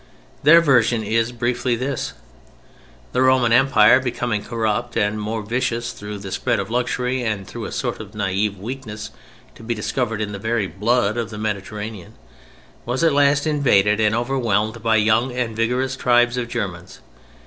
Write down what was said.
Their version is, briefly, this: The Roman Empire, becoming corrupt and more vicious through the spread of luxury and through a sort of native weakness to be discovered in the very blood of the Mediterranean, was at last invaded and overwhelmed by young and vigorous tribes of Germans.